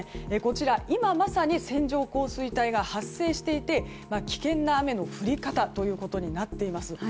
今まさに線状降水帯が発生していて危険な雨の降り方となっています。